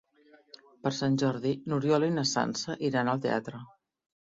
Per Sant Jordi n'Oriol i na Sança iran al teatre.